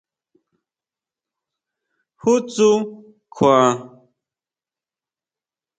¿Ju tsú kjua?